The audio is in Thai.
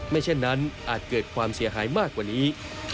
เช่นนั้นอาจเกิดความเสียหายมากกว่านี้